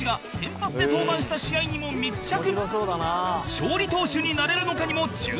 勝利投手になれるのかにも注目！